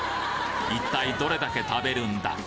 一体どれだけ食べるんだ